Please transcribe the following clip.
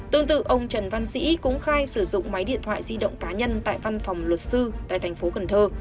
tương tự ông trần văn sĩ cũng khai sử dụng máy điện thoại di động cá nhân tại văn phòng luật sư tại thành phố cần thơ